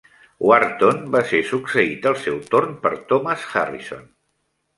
Wharton va ser succeït, al seu torn, per Thomas Harrison.